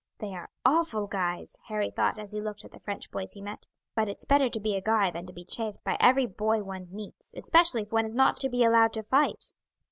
"They are awful guys!" Harry thought as he looked at the French boys he met. "But it's better to be a guy than to be chaffed by every boy one meets, especially if one is not to be allowed to fight."